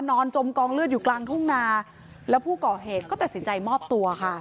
จมกองเลือดอยู่กลางทุ่งนาแล้วผู้ก่อเหตุก็ตัดสินใจมอบตัวค่ะ